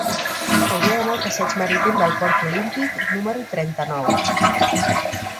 Hauria d'anar al passeig Marítim del Port Olímpic número trenta-nou.